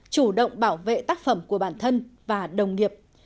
chủ động bảo vệ tác phẩm của bản thân và đồng nghiệp